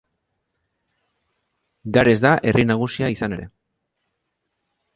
Gares da herri nagusia izan ere.